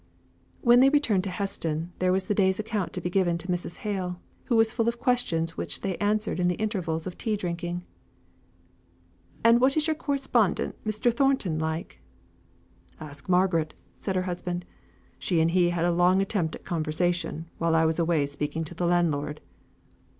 When they returned to Heston, there was the day's account to be given to Mrs. Hale, who was full of questions, which they answered in the intervals of tea drinking. "And what is your correspondent, Mr. Thornton, like?" "Ask Margaret," said her husband. "She and he had a long attempt at conversation, while I was away speaking to the landlord."